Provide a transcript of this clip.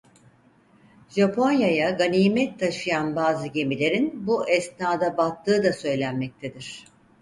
Japonya'ya ganimet taşıyan bazı gemilerin bu esnada battığı da söylenmektedir.